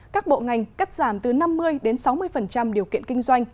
các bộ ngành cắt giảm từ năm mươi đến sáu mươi điều kiện kinh doanh